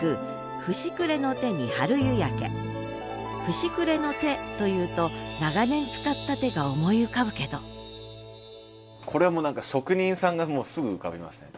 「ふしくれの手」というと長年使った手が思い浮かぶけどこれはもう何か職人さんがすぐ浮かびますね。